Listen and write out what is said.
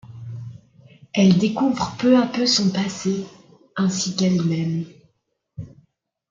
Elle découvre peu à peu son passé… ainsi qu'elle-même.